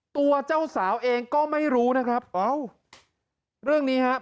ตัวเจ้าสาวเองก็ไม่รู้นะครับเอ้าเรื่องนี้ครับ